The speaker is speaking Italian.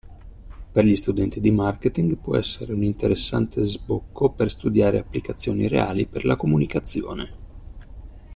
Per gli studenti di marketing può essere un interessante sbocco per studiare applicazioni reali per la comunicazione.